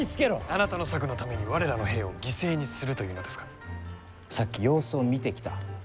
あなたの策のために我らの兵を犠牲にするとさっき様子を見てきた。